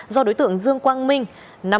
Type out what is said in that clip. do đối tượng dương quang minh